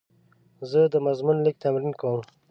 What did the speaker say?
زه د مضمون لیک تمرین کوم.